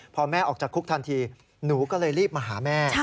พอแม่ออกจากคุกทันทีหนูก็เลยรีบมาหาแม่